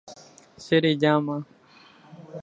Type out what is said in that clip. Cherejáma.